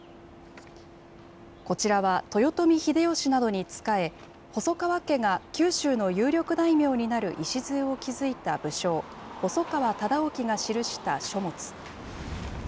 こちらは豊臣秀吉などに仕え、細川家が九州の有力大名になる礎を築いた武将、細川忠興が記した書物。